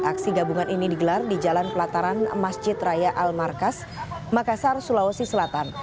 aksi gabungan ini digelar di jalan pelataran masjid raya al markas makassar sulawesi selatan